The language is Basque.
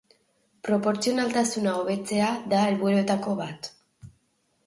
Proportzionaltasuna hobetzea da helburuetako bat.